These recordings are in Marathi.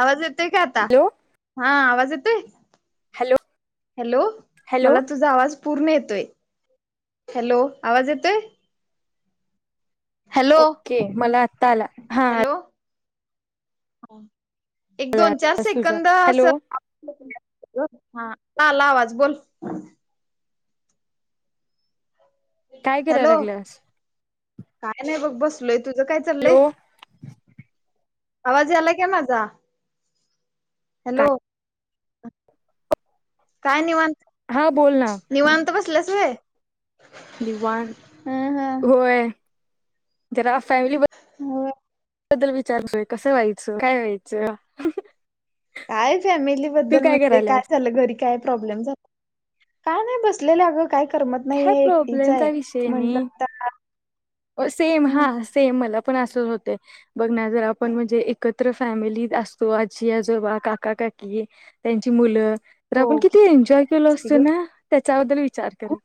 आवाज येतोय काय आता हॅलो हा आवाज येतोय हॅलो हॅलो हॅलो मला तुझा आवाज पूर्ण येतोय हॅलो आवाज येतोय हॅलो ओके मला आत्ता आला हा हा एक आला दोन चार तुझा सेकंद हॅलो असं ह् आता आला आवाज बोल काय करायला हॅलो लागल्यास काय नाही बघं बसलो [unintelligible] तुझं काय चालयं हॅलो आवाज यायला का माझा काय हॅलो काय निवांत हा बोल ना तू बसल्यास दिवांण हं हं होय जरा अस फॅमिली बदल होय. बद्दल विचारतोय कसं व्हायचं काय व्हायचं? काय फॅमिली तू बद्दल म्हणजे काय करायल्यास झालं घरी काय प्रॉब्लेम झाला का नाही बसलेलं अगं काही करमत नाही काय एकटीच आहे प्रॉब्लेमचा विषय म्हणलं नाही सेम हा हं सेम मला मला पण असंच होतंय बघ ना जर आपण म्हणजे एकत्र फॅमिली असतो आजी आजोबा काका काकी त्यांची मुलं तर आपण किती एन्जॉय केलो असते असतो ग ना त्याच्याबद्दल विचार कर खूप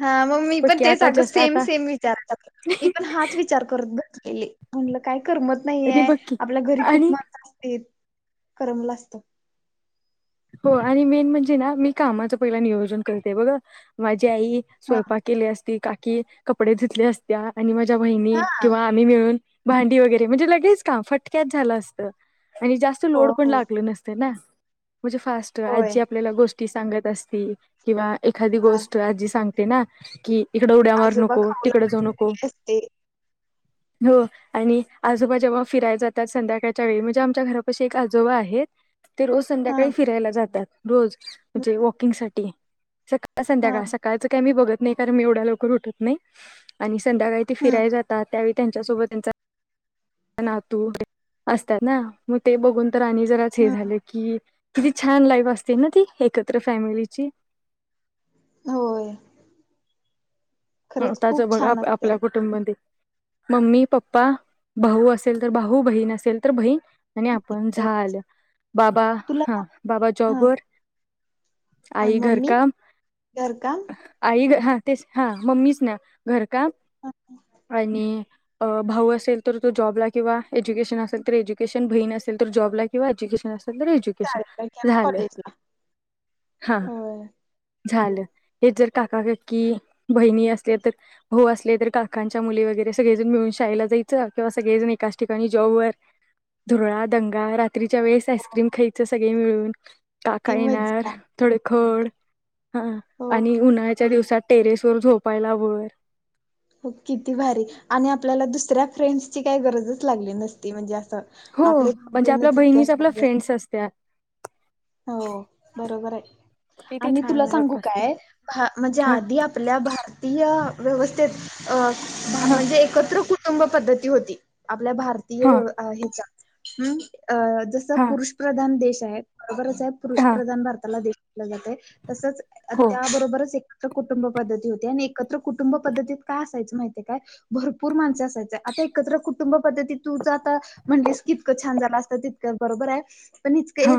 हा मग मी बघं पण कि आता जस्ट आ तेच विचारतात मी पण हाच विचार करत बस केली म्हणलं काय करमत आणि नाहीये बघकी आपल्या घरी खूप आणि मा करमल असतं बघ हो आणि मेन म्हणजे ना मी कामाच पहिलं नियोजन करते बघ ह् ती आई हा स्वयंपाक केली असती काक की कपडे धुतले असते आणि माझ्या त्या बहिणी हा किंवा आम्ही मिळून भांडी वगैरे म्हणजे लगेच काम फटक्यात झालं असतं आणि जास्त हो लोड पण हो लागले नसते ना म्हणजे फास्ट होय आजी आपल्याला गोष्ट ष्टी सांगत असती किंवा एखादी वा गोष्ट आजी सांगते ना की इकड उड्या मारु आजोबा नको, खाऊला तिकडे जाऊ नको. पडले असते हो आणि आजोबा जेव्हा फिरायला जातात संध्याकाळच्या वेळी म्हणजे आमच्या घरापशी एक आजोबा आहेत ते रोज हा काही फिरायला जातात. रोज म्हणजे वॉकिंग साठी. सका ळ, हा संध्याकाळ सकाळचं काय मी बघत नाही कारण मी एवढ्या लवकर उटत नाही आणि संध्याकाळी ती हम्म फिराई जातात. त्यावेळी त्यांच्या सोबत त्यांचा नातू असतात ना. मग ते बघून तर आणि जराच हे हम्म झालं की किती छान लाईफ असते ना ती एकत्र फॅमिलीची. होय. ह खरंच त्याचं खूप बघ छान आप असते आपल्या कुटुंबमध्ये मम्मी, पप्पा, भाऊ असेल तर भाऊ बहीण असेल तर बहीण आणि आपण तेव्हा झालं. बाबा, तुला हा बाबा सांग- हा जॉबवर आणि आई घर मम्मी काम घरकाम आई घ हा तेच हां. मम्मीच ना घर काम आणि भाऊ असेल तर तो जॉबला किंवा एज्युकेशन असेल तर एज्युकेशन बहीण असेल तर जॉबला किंवा एज्युकेशन असेल तर एजुकेशन शाळेला किंवा झालं कॉलेजला हा. होय झालं हे जर काका काकी बहिणी असल्या तर, भाऊ असले तर काकांच्या मुली वगैरे सगळेजण मिळून शाळेला जायचं, किंवा सगळेजण एकाच ठिकाणी जॉबवर धुरळा दंगा रा त्रीच्या वेळेस आईक्रीम खायचं सग ये मिळून. ती काका येणार मज्जा थोड खोड हा आणि हो उन्हाळ्याच्या दिवसात टेरेस वर झोपायला वर. हो किती भारी, आणि आपल्याला दुसऱ्या फ्रेंड्सची काही गरजच लागली नसती म्हणजे अस हो म्हणजे आपल्या बहिणीच आपल्या फ्रेंड्स असत्या. हो बरोबर आय किती आणि छान तुला सांगू लाईफ असत काय? भा म्हणजे हा आधी आपल्या भारतीय व्यवस्थेत अ हा म्हणजे एकत्र कु टुंब पद्धती होती. आपल्या भारतीय हा व्यव हेचा. हम्म. अ जसं हा पुरुषप्रधान देश ते बरच् आय पुरुष हा प्रधान भारताला देश लगतय तसंच हो त्याबरोबरच एक कुटुंब पद्धती होते आणि एकत्र कुटुंब पद्धतीत काय असायचं माहितीय काय भरपूर माणसं असायच आता एकत्र कुटुंब पद्धतीत तुचं आता म्हणटलीस तितकं छान झालं असतं तितकं बरोबर आहे हा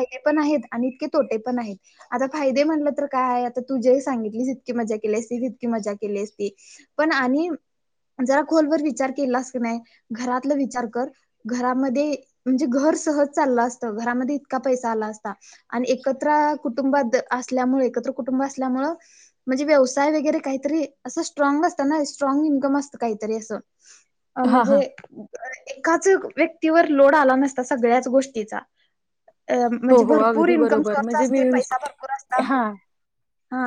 [unintelligible] फायदे पण आणि इतके तोटे पण आहेत आता फायदे म्हणले तर काय आता तुझे सांगितली इतकी मजा केली असती इतकी मजा केली असती पण आणि जरा खोलवरर विचार केला अस नाही घरातला विचार कर घरामध्ये म्हणजे घर सहज चाललं असतं घरामध्ये इतका पैसा आला असता आणि एकत्र कुटुंबात असल्यामुळे एकत्र कुटुंब असल्यामुळे म्हणजे व्यवसाय वगैरे काहीतरी असं स्ट्राग असतं ना स्ट्राग इन्कम असतं काहीतरी असं अ हा म्हणजे हा एकाच व्यक्तीवर लोड आला नसता सगळ्याच गोष्टीचा अ हो म्हणजे हो भरपूर अगदी इन्कम बरोबर सोर्स म्हणजे मी असते पैसा भरपूर असता हा ह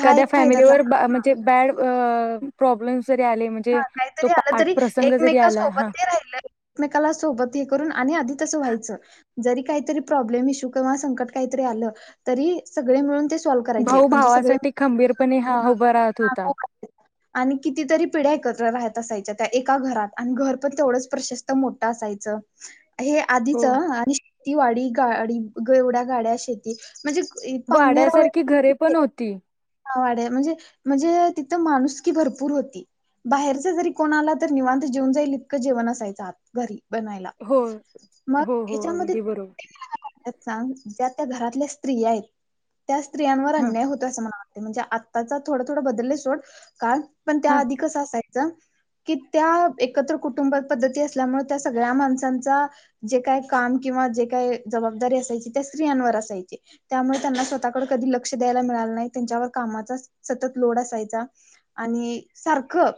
हा एक फायदा फॅमिलीवर झाला म्हणजे बॅड प्रॉब्लेम्स जरी आले म्हणजे हा तो काहीतरी आलं पाठ तरी प्रसंग जरी आला हा एकमेकासोबत हे राहिल एकमेकाला सोबत हे करून आणि आधी तसं व्हायचं जरी काहीतरी प्रॉब्लेम इश्यू किंवा संकट काहीतरी आलं तरी सगळे मिळून सॉल्व्ह करायचे. भाऊ म्हणजे सगळे भावासाठी खंबीरपणे हा उभा राहत होता पिड्या एकत्र राहत असायच्या त्या एका घरात आणि घर पण तेवढंच प्रशस्त मोठं असायचं हे हो आधीच आणि ती वाडी गाडी गिवढ्या गाड्या शेती म्हणजे वाड्यासारखी घरे पण होती पाहुणेरावळया हा वाड म्हणजे म्हणजे तिथं माणुस की भरपूर होती बाहेरचा जरी कोणा आला तर निवांत जेऊन जाईल इतकं जेवण असायचं आत घरी बनायला. हो मग हो हो ह्याच्यामध्ये अगदी बरोबर त्यात ज्या त्या घरातल्या स्त्री आहेत त्या स्त्रियावर हा अन्याय होतो असं मला वाटतय ते म्हणजे आत्ताचा थोडं थोडं बदलले सोड काळ पण त्या हा आधी कस असाय कि त्या एकत्र कुटुंब पद्धती असल्यामुळे त्या सगळ्या माणसांचा जे काय काम किंवा जे काय जबाबदारी असायची त्या स्त्रियांवर असायची त्यामुळे त्यांना स्वतःकडे कधी लक्ष द्यायला मिळालं नाही त्यांच्यावर कामाचा सतत लोड असायचा आणि सारखं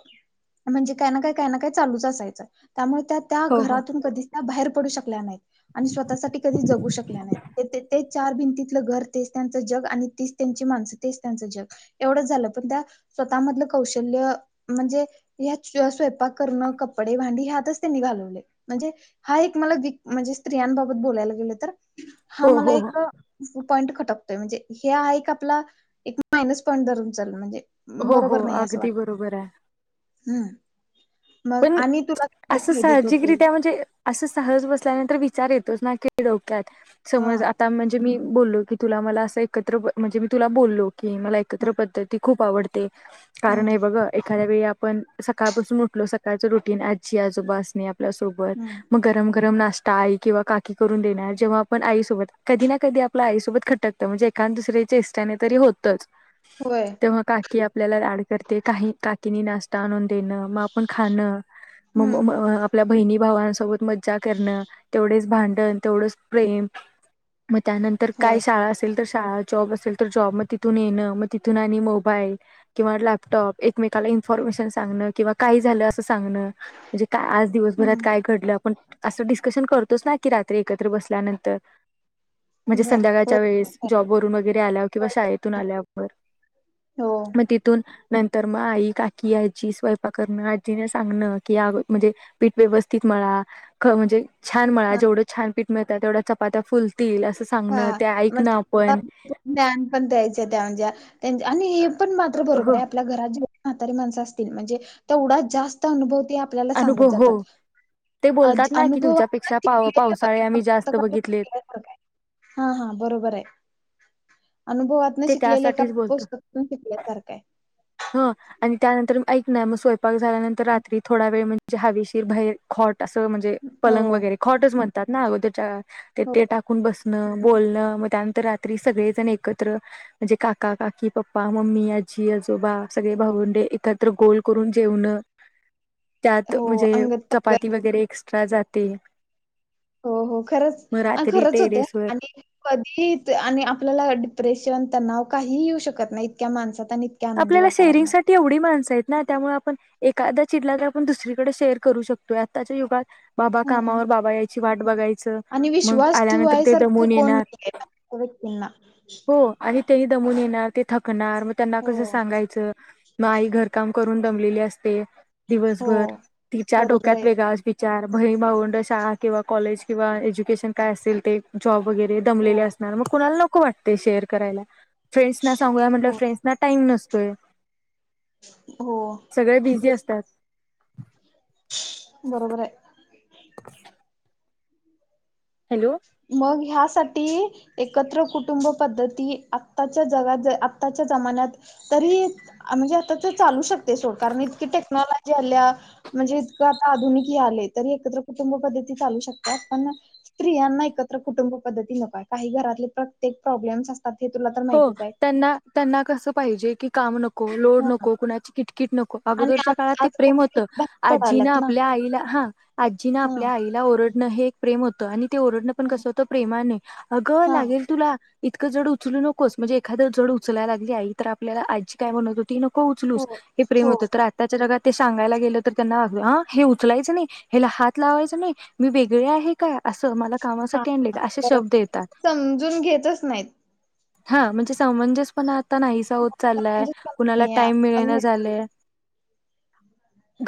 म्हणजे काय ना काय काही ना काय चालूच असायचं त्यामुळे त्या त्या हो हो घरातून कधीच त्या बाहेर पडू शकल्या नाहीत आणि स्वतःसाठी कधी जगू शकल्या नाहीत ते चार भिंती घर तेच त्यांच जग आणि तीच त्यांची माणस तेच त्यांच जग एवढंच झालं, पण त्या स्वतः मधलं कौशल्य म्हणजे हेच स्वयंपाक करणं कपडे, भांडी ह्यातच ते निघालागलय म्हणजे हा एक विक मला म्हणजे स्त्रियांबाबत बोलायला गेलं तर हा हो मला हो हो एक पॉईंट खटकतोय म्हणजे हे आहे एक आपला एक मायनस पॉईंट धरून चाल म्हणजे हो बरोबर हो नाही असं अगदी वाटतं. बरोबर आहे हम्म. मग पण आणि तुला ते असं फायदे तोटे साहजिकरित्या म्हणजे असं सहज बसल्यानंतर विचार येत तसं ना कलो काय हा समज आता म्हणजे मी बोललो की तुला मला असं एकत्र म्हणजे मी तुला बोललो की मला हा एकत्र पद्धती खूप आवडते हा कारण आहे बघ एक त्यावेळी आपण सकाळपासून उठलो त्याचं रुटीने अज्जी, आजोबा आसने आपण आपल्या सोबत हम्म मग गरम गरम नाष्टा ताई, आई किंवा काकी करून देणार, जेव्हा आपण आईसोबत कधी ना कधी आपलं आईसोबत खटकतं म्हणजे एखादं दुसरं चेष्टाने तरी होतंच होय तेव्हा काकी आपल्याला लाड करते काही काकीनी नाष्टा त्यानंतर येण म आपण खाण हम्म म आपल्या बहिणी भावा सोबत मज्जा करणं तेवढेच भांडण तेवढंच प्रेम मग त्यानंतर काय होय शाळा असेल शाळा जॉब असेल तर जॉब तिथून येणं, मग तिथून आणि मोबाईल किंवा लॅपटॉप एकमेकाला इन्फॉर्मेशन सांगणं किंवा काही झालं अस सांगण म्हणजे आज दिवसभरात हम्म काय घडलं आपण असं डिस्कशन करतोच, ना की रात्री एकत्र बसल्यानंतर म्हणजे बर होय संध्याकाळच्या वेळेस जॉब वरून वगैरे आल्या किंवा होय. शाळेतून आल्यावर हो म तिथून नंतर म आई, काकी, आज्जी स्वयंपाक करणं तीन सांगण की म्हणजे पीठ व्यवस्थित मळा ख म्हणजे छान मळा हा जेवढं छान पिठ मळतात तेवढ्या चपात्या फुल हा म्हणजे ज्ञान पण द्यायचं त्या म्हणजे आणि हे पण मात्र बरोबर हो आहे, आपल्या घरात जेवढी माणसं म्हतारी माणसं असतील, म्हणजे तेवढा जास्त अनुभव ते आपल्याला सांगत अनुभव हो जातात ते बोलतात ना की अनुभव तुझ्यापेक्षा पाव पावसाळे आम्ही जास्त बघितलेत हा हा बरोबर आहे. अनुभवातन ते शिकलेल्या एका त्यासाठीच पुस्तकातून शिकल्यासारखं आहे. ह आणि त्यानंतर म ऐक ना मग स्वय झाल्यांतरात थडा वेळ म्हज ज हवेशीर बहीर खोट असं म्हणजे हो पलंग वगैरे खॉटच म्हण ात ना अगोदरच्या ते ते हो टाकून बसणं. बोलणं मग त्यानंतर रात्री सगळेजण एकत्र म्हणजे काका काकी पप्पा मम्मी आजी अजून तव्हा सगळी भावंडे एकत्र गोल करून जेवण. त्यात हो म्हणजे अंगत चपाती पंगत वगैरे जाती हो हो खरच खरंच होते टेरेसवर आणि कधी आणि आपल्याला डिप्रेशन तणाव काही येऊ शकत नाही इतक्या माणसात आणि इतक्या आनंदी आपल्याला वातावरणात. शेरिंगसाठीठी एवढी माणसं आहेत ना त्यामुळे आपण एखाददा चिडला तर आपण दुसरीकडे शेअर करू शकतोय आत्ताच्या युगात बाबा हां कामावर बाबा याची वाट बघायचं आणि मग विश्वास आल्यानंतर ते ठेवायसारखं दमून कोण येणार नाहीये त्या व्यक्तींना. हो आणि तेही दमून येणार ते थकणार कसं हो, सांगायचं मग आई घरकाम करून जमलेली असते हो. दिवसभर तिच्या बरोबर डोक्यात आहे. वेगळाच बिचार बहीण भावंड शाळा किंवा कॉलेज किंवा एज्युकेशन काय असेल ते जॉब गैरे हो, दमले असणार मग कणाला न वाटते शेअर करायला फ्रेडस सांगया म्हटलं हो, फ्रेडस टाईम नसतोय हो. सगळे बिझी असत तेच बरोबर आहे हॅलो मग ह्यासाठी एकत्र कुटुंब पद्धती आताच्या जगात आताच्या जमान्यात तरी म्हणजे आता ते चालू शकत सोड कारण इतकी टेक्नॉज म्हणजे आता आधुनिक हे आले तरी एकत्र कुटुंब पद्धती चालू शकतात पण स्त्रियांना त्र कुटुंब पद्धती न काही घरातले प्र्येक प्रॉब्लेम् हो त्यां त्यांना कसं पाहिजे की काम नको नको लोड हा नको कुणाची किटकिट नको आणि अगोदरच्या आज काळात ते आजकाल प्रेम होत स्त्रिया बाहेर आजीनं पडाल्यात ना आपल्या आईला हा आजीनं हा आपल्या आईला ओरड ना हे एक प्रेम होतं आणि ते ओरडणं पण कसं होतं प्रेमाने अगं हा लागेल तुला इतंक जड उचलू नको नको एखाद जड उचलाय लागली आई तर आपल्याला आजी काय म्हणत होती नको हो उचलूस हे प्रेम हो होत तर आताच्या जगात ते सांगायला गेलं तर त्यांना ह् उचलायचं नाही हेला हात लावायच नाही मी वेगळीआहे काय असं मला हा कामासाठी आणल्यं हा काय असे बरोबर शब्द येतात समजून घेतच नाहीत. हा म्हणजे समंजस पणात ता नाहीसा होत चाललाय म्हणजे कुणाला कमी आहे, टाइम कमी मिळेना होते झालेय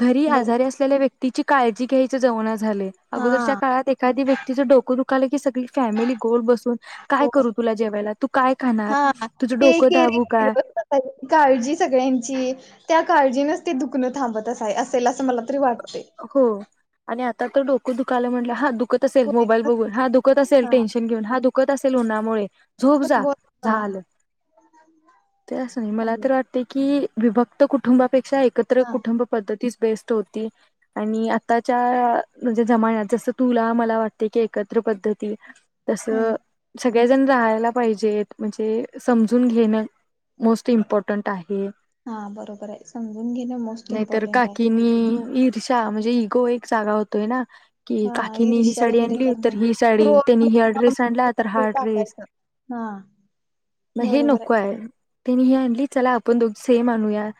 घरी बरोबर आजारी असलेल्या व्यक्ती तिची काळजी घ्यायच्या जाऊनच झालंय अगोदरच्या हा काळात एखादा व्यक्ती चं डोक दुखतयं कि सगळी फॅमिली गोल बसून काय हो करू तुला जेवायला काय खाणार हा तुझं ते डोकं दाबू केरीगं काय ठेवणं बसायची काळजी सगळ्यांची काळजीनच ते दुखणं थांबत आहे असेल असं मला तरी वाटत हो आणि आ आति तर डोंक दुखालंय म्हणलावर हा दुख दुखतं असेल कोणीच मोबाईल बघून नसते. हा दुखतं असेल हा टेन्शन घेऊन हा दुखणं असेल उन्हामुळे झोप पण जा गो हा झालं ते असं नाही मला समजा. तर वाटते की विभक्त कुटुंबात पैक्षा एकत्र हा कुटब पद्धती चा बेस्ट होती आणि आताच्या म्हणजे जमान्यात जसं तुला मला वाटतंय की एकत्र पद्धती हम् तसं सगळी सगळेजण राहायला पाहिजेत म्हणजे समजून घेणं मोस्ट इम्पॉर्टंट आहे, हा बरोबर आहे समजून घेणं मोस्ट इम्पॉर्टंट आहे. ईरशा शा म्हणजे इगो एक जागा होतोय ना कि हा काकीने ही ईर्ष्या साडी वगैरे आणली करणे तर ही साडी क्रोध त्यानी हि ड्रेस आणला तर हा ड्रेस टाकायचं हा म हे नको आहे त्यांनी हे आणली चला आपण दोघी सेम आणूयां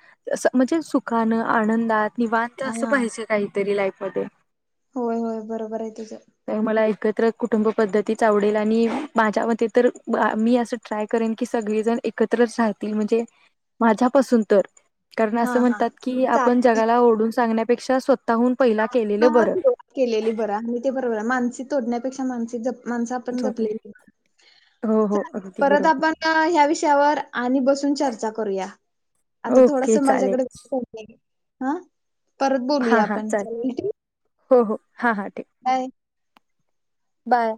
म्हणजे सुखानं आनंदात निवांत असंल हा पाहिजेत. तरी लाइफक बदल. होय होय बरोबर आहे तुझं. तर मला एकत्र कुटुंब पद्धतीच आवडेल आणि माझ्या म तर मी असं ट्राय करेन की सगळेजण एकत्र राहतील म्हणजे माझ्यापासून तर. कारण हा असं हा म्हणतात की आपण जगाला ओरडुन सांगण्या. पेक्षा स्वता. सुर्वात केलेली बर हो ते बरोबर मानसे तोडण्यात. त्या पेक्षा माणस जप. माणसं आपण झोप नाही जपलेली हो हो अगदी परत बरोबर आपण ह्या विषयावर आणि बसून चर्चा करूया आता थोडस ओके चालेल माझ्याकडे करते. हा. परत हा बोलूया यात. हा पण चालेल चाल उतरु. हो हो हा हा. ठीक बाय. बाय.